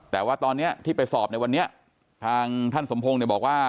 แต่ว่าตอนนี้ที่ไปสอบในวันนี้ทางท่านสมพงศ์เนี่ยบอกว่า